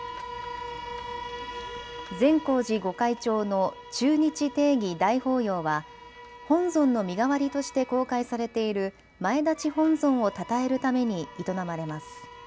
善光寺御開帳の中日庭儀大法要は本尊の身代わりとして公開されている前立本尊をたたえるために営まれます。